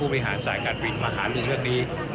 ผู้วิหารสายการบินนะครับ